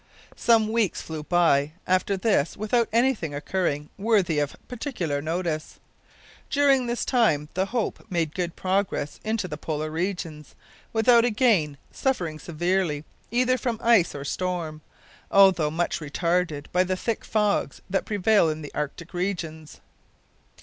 Some weeks flew by after this without anything occurring worthy of particular notice. During this time the Hope made good progress into the Polar regions, without again suffering severely either from ice or storm, although much retarded by the thick fogs that prevail in the Arctic regions.